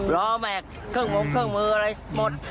รอแม็กซ์เครื่องหมงเครื่องมืออะไรหมด